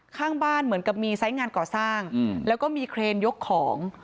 ข้างบ้านเหมือนกับมีไซส์งานก่อสร้างแล้วก็มีเครนยกของ